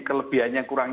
kelebihan yang kurangnya